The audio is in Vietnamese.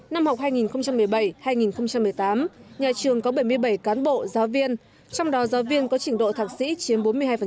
năm học hai nghìn một mươi bảy hai nghìn một mươi tám nhà trường có bảy mươi bảy cán bộ giáo viên trong đó giáo viên có trình độ thạc sĩ chiếm bốn mươi hai